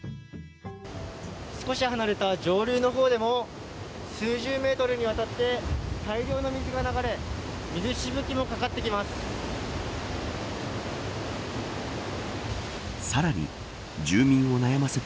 少し離れた上流の方でも数十メートルにわたって大量の水が流れ水しぶきもかかってきます。